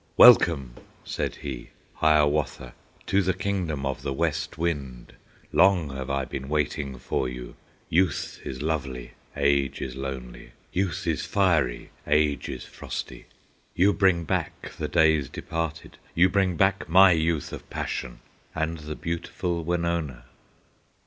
"Welcome!" said he, "Hiawatha, To the kingdom of the West Wind Long have I been waiting for you Youth is lovely, age is lonely, Youth is fiery, age is frosty; You bring back the days departed, You bring back my youth of passion, And the beautiful Wenonah!"